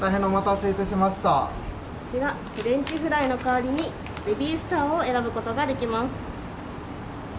こちら、フレンチフライの代わりに、ベビースターを選ぶことができます。